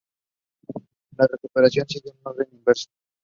La recuperación sigue un orden inverso.